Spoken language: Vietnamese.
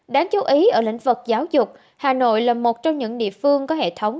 đáng chú ý ở lĩnh vực giáo dục hà nội là một trong những địa phương có hệ thống